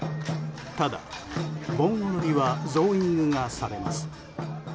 ただ、盆踊りはゾーニングがされます。